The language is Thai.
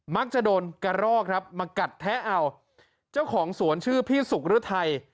มักจะโดนกระรอกครับมากัดแท้เอาเจ้าของสวนชื่อพี่สุกฤทัย